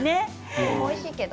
おいしいけど。